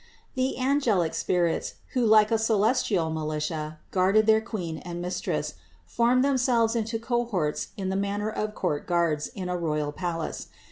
470. The angelic spirits, who like a celestial militia guarded their Queen and Mistress, formed themselves into cohorts in the manner of court guards in a royal palace.